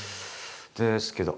ですけど